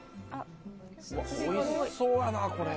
おいしそうやな、これ。